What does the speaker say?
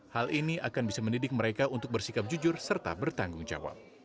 hal ini akan bisa mendidik mereka untuk bersikap jujur serta bertanggung jawab